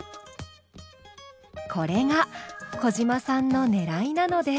これが小嶋さんのねらいなのです。